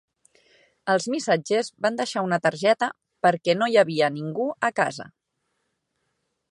Els missatgers van deixar una targeta perquè no hi havia ningú a casa.